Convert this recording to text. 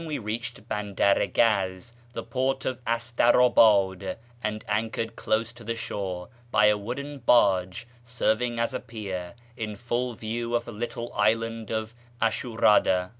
we reached Bandar i Gaz, the port of Astarabad, and anchored close to the shore, by a wooden barge serving as a pier, in full view of the little island of Ashurada.